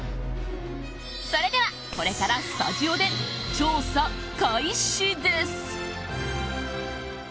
それでは、これからスタジオで調査開始です。